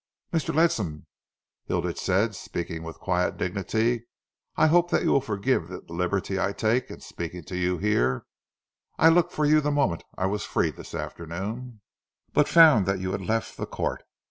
"Mr. Ledsam," Hilditch said, speaking with quiet dignity, "I hope that you will forgive the liberty I take in speaking to you here. I looked for you the moment I was free this afternoon, but found that you had left the Court.